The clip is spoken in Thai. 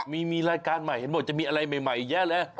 มีรายการใหม่เห็นบอกจะมีอะไรใหม่เยอะเลย